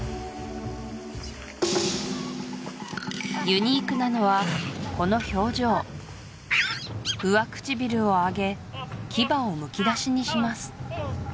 ユニークなのはこの表情上唇を上げ牙をむき出しにします